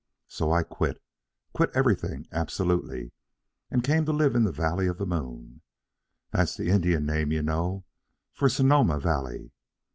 So I quit, quit everything, absolutely, and came to live in the Valley of the Moon that's the Indian name, you know, for Sonoma Valley.